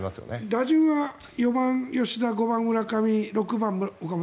打順は４番、吉田、５番、村上６番、岡本